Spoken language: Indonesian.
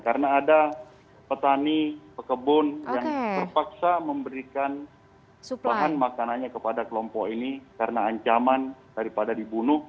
karena ada petani pekebun yang terpaksa memberikan bahan makanannya kepada kelompok ini karena ancaman daripada dibunuh